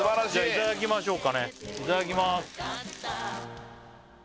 いただきます